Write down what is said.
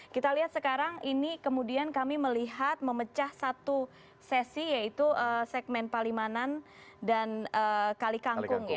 kita lihat sekarang ini kemudian kami melihat memecah satu sesi yaitu segmen palimanan dan kali kangkung